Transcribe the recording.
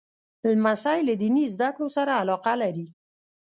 لمسی له دیني زده کړو سره علاقه لري.